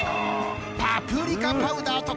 パプリカパウダーと。